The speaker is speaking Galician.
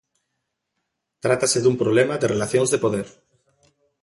Trátase dun problema de relacións de poder.